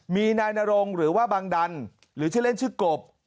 มีนายนรงหรือว่าบังดันหรือชื่อเล่นชื่อกบ